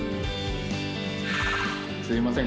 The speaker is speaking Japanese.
すいません。